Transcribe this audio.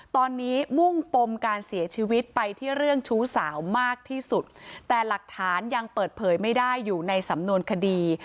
ตอนนี้มุ่งปมการเสียชีวิตไปที่เรื่องชู้สาวมากที่สุดแต่หลักฐานยังเปิดเผยไม่ได้อยู่ในสำนวนคดี